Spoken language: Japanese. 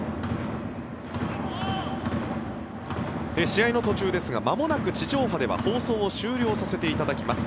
試合の途中ですがまもなく地上波では放送を終了させていただきます。